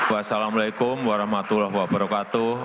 wassalamu'alaikum warahmatullahi wabarakatuh